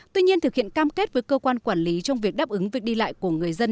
tuy nhiên thực hiện cam kết với cơ quan quản lý trong việc đáp ứng việc đi lại của người dân